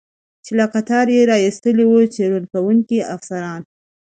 چې له قطاره یې را ایستلی و، څېړنې کوونکي افسران.